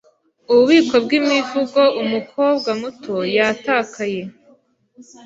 Ububiko bwImivugo Umukobwa muto Yatakaye